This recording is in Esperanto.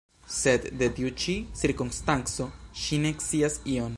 Sed de tiu ĉi cirkonstanco ŝi ne scias ion.